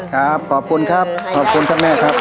ครับขอบคุณครับขอบคุณท่านแม่ครับ